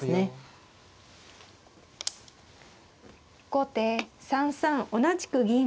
後手３三同じく銀。